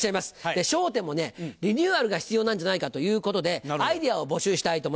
『笑点』もリニューアルが必要なんじゃないかということでアイデアを募集したいと思います。